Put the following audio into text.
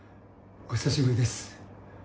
お久しぶりです。